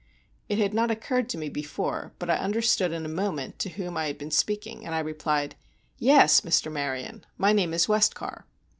It had not occurred to me before, but I understood in a moment to whom I had been speaking, and I replied: "Yes, Mr. Maryon—my name is Westcar."